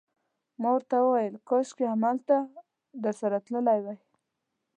ما ورته وویل: کاشکي همالته درسره تللی وای.